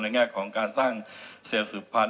ในแง่ของการสร้างเสี่ยวสุดพันธ์